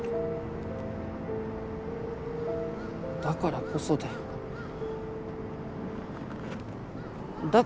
だからこそだよ。